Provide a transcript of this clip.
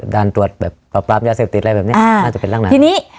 ด่านตรวจแบบปรับปรามยาเสพติดอะไรแบบนี้น่าจะเป็นร่างนั้นทีนี้